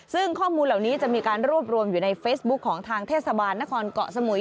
ซึ่งข้อมูลเหล่านี้จะมีการรวบรวมอยู่ในเฟซบุ๊คของทางเทศบาลนครเกาะสมุย